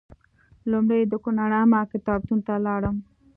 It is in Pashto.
لومړی د کونړ عامه کتابتون ته لاړم.